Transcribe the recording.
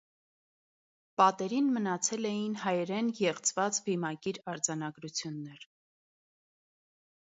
Պատերին մնացել էին հայերեն եղծված վիմագիր արձանագրություններ։